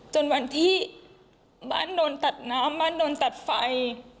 จนวันที่บ้านโดนตัดน้ำบ้านโดนตัดไฟ